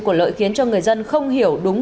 của lợi khiến cho người dân không hiểu đúng